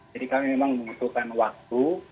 kami memang membutuhkan waktu